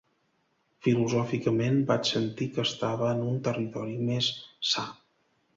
Filosòficament vaig sentir que estava en un territori més sa.